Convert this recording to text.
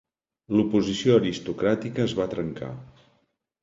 L'oposició aristocràtica es va trencar.